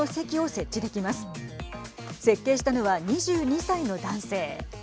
設計したのは２２歳の男性。